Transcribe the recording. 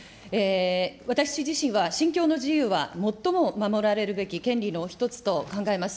私自身は信教の自由は最も守られるべき権利の一つと考えます。